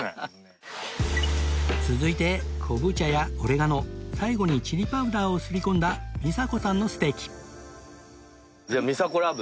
続いて昆布茶やオレガノ最後にチリパウダーをすり込んだ美佐子さんのステーキじゃあ美佐子ラブ。